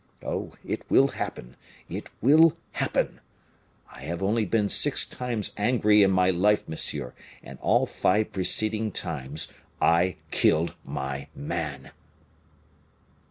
Oh! it will happen! it will happen! I have only been six times angry in my life, monsieur, and all five preceding times I killed my man."